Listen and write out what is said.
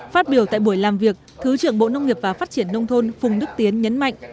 phát biểu tại buổi làm việc thứ trưởng bộ nông nghiệp và phát triển nông thôn phùng đức tiến nhấn mạnh